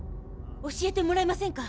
教えてもらえませんか。